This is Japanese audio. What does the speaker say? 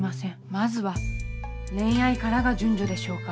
まずは恋愛からが順序でしょうか。